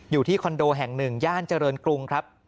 อยู่ที่คอนโดแห่งหนึ่งย่านเจริญกรุงครับ